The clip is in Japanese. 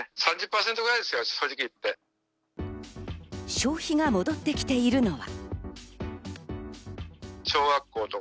消費が戻ってきているのは。